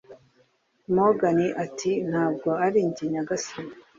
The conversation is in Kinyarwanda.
Morgan ati: 'Ntabwo ari njye, nyagasani